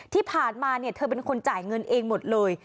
ที่ผ่านมาเนี่ยเธอเป็นคนจ่ายเงินเองหมดเลย